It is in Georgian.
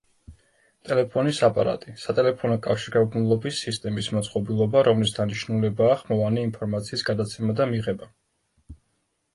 ტელეფონის აპარატი, სატელეფონო კავშირგაბმულობის სისტემის მოწყობილობა, რომლის დანიშნულებაა ხმოვანი ინფორმაციის გადაცემა და მიღება.